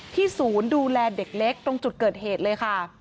ศูนย์ดูแลเด็กเล็กตรงจุดเกิดเหตุเลยค่ะ